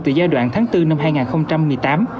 từ giai đoạn tháng bốn năm hai nghìn một mươi tám